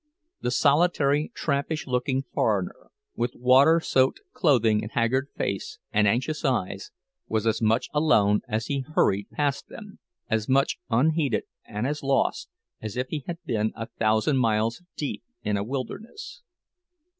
The solitary trampish looking foreigner, with water soaked clothing and haggard face and anxious eyes, was as much alone as he hurried past them, as much unheeded and as lost, as if he had been a thousand miles deep in a wilderness.